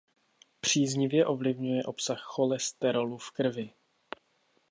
Příznivě ovlivňuje obsah cholesterolu v krvi.